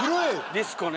ディスコね。